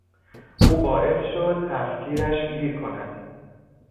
او باعث شد هفت تیرش گیر کند.